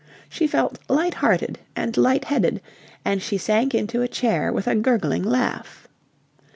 She felt light hearted and light headed, and she sank into a chair with a gurgling laugh.